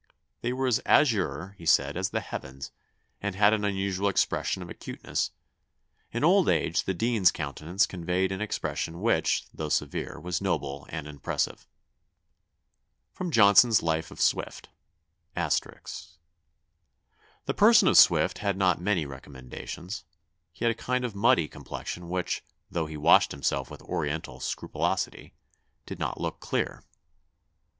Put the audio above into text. They were as azure, he said, as the heavens, and had an unusual expression of acuteness. In old age the Dean's countenance conveyed an expression which, though severe, was noble and impressive." [Sidenote: Johnson's Life of Swift. *] "The person of Swift had not many recommendations. He had a kind of muddy complexion which, though he washed himself with oriental scrupulosity, did not look clear.